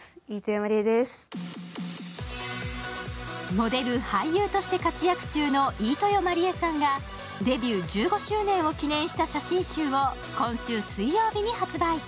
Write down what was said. モデル、俳優として活躍中の飯豊まりえさんがデビュー１５周年を記念した写真集を今週水曜日に発売。